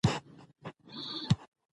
لکه پتڼ له خپلی مېني تر انگاره درځم